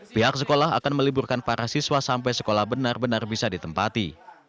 pihak sekolah akan meliburkan para siswa sampai sekolah benar benar bisa ditempati